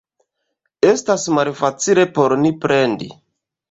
Estas malfacile por ni plendi.